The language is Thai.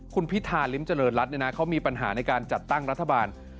คุณพิธาริมเจริญรัฐเขามีปัญหาในการจัดตั้งรัฐบาล